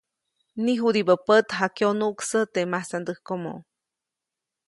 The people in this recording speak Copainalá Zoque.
Niʼjudibä pät jakyonuʼksä teʼ masandäjkomo.